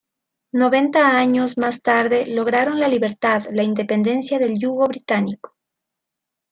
Noventa años más tarde lograron la libertad la independencia del yugo británico.